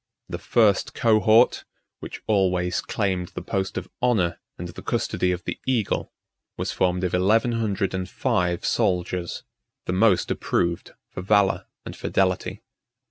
The first cohort, which always claimed the post of honor and the custody of the eagle, was formed of eleven hundred and five soldiers, the most approved for valor and fidelity.